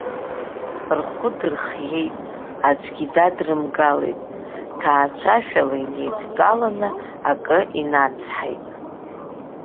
Рхәы дырхиеит, аӡәгьы дадрымгалеит, ҭаацәашәала инеидтәаланы акы инацҳаит.